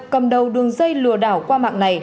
cầm đầu đường dây lừa đảo qua mạng này